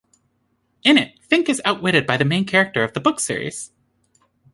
In it, Fink is outwitted by the main character of the book series.